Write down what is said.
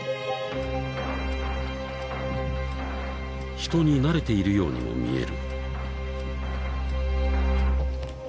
［人になれているようにも見える］